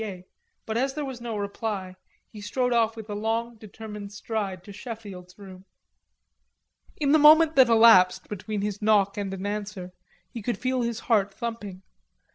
A., but as there was no reply, he strode off with a long, determined stride to Sheffield's room. In the moment that elapsed between his knock and an answer, he could feel his heart thumping.